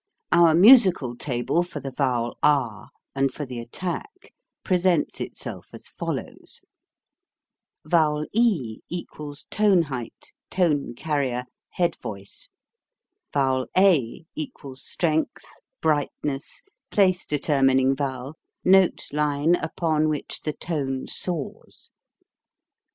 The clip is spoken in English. Our musical table for the vowel ah and for the attack presents itself as follows: Vowel e = tone height, tone carrier, head voice, a = strength, brightness, place deter mining vowel, note line upon which the tone soars.